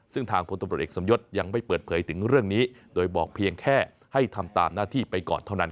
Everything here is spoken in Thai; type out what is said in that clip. ซึ่งทางพลตำรวจเอกสมยศยังไม่เปิดเผยถึงเรื่องนี้โดยบอกเพียงแค่ให้ทำตามหน้าที่ไปก่อนเท่านั้น